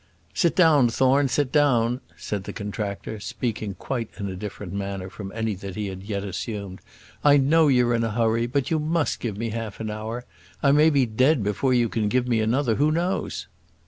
"Sit down, Thorne, sit down," said the contractor, speaking quite in a different manner from any that he had yet assumed. "I know you're in a hurry, but you must give me half an hour. I may be dead before you can give me another; who knows?"